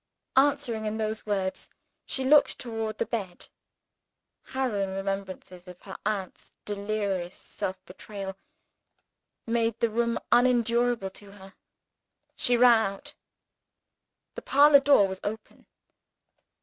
Answering in those words, she looked toward the bed. Harrowing remembrances of her aunt's delirious self betrayal made the room unendurable to her. She ran out. The parlor door was open.